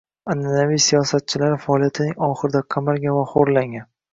an’anaviy siyosatchilari faoliyatining oxirida qamalgan va xo‘rlangan